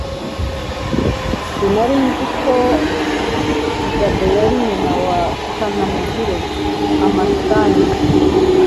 sinari nzi ko jabo yari nyina wa kanamugire(amastan